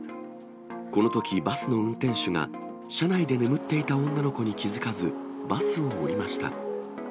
このとき、バスの運転手が、車内で眠っていた女の子に気付かず、バスを降りました。